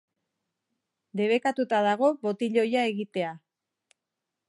Debekatuta dago botiloia egitea.